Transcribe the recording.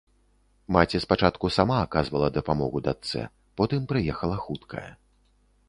Маці спачатку сама аказвала дапамогу дачцэ, потым прыехала хуткая.